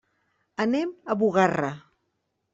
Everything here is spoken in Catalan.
Anem a Bugarra.